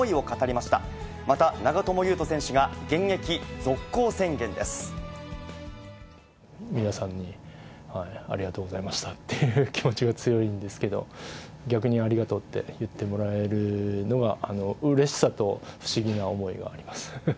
また長友佑都選手が、皆さんに、ありがとうございましたっていう気持ちが強いんですけど、逆にありがとうって言ってもらえるのが、うれしさと不思議な思い